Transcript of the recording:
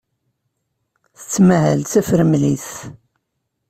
Tettmahal d tafremlit.